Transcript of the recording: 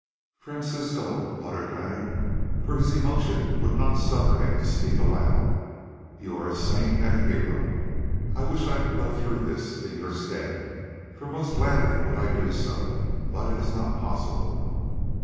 "Francisco," muttered Leonard, for his emotion would not suffer him to speak aloud, "you are a saint and a hero. I wish that I could go through this in your stead, for most gladly would I do so, but it is not possible."